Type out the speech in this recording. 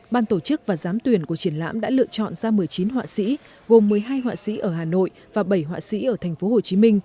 ban tổ chức và giám tuyển của triển lãm đã lựa chọn ra một mươi chín họa sĩ gồm một mươi hai họa sĩ ở hà nội và bảy họa sĩ ở tp hcm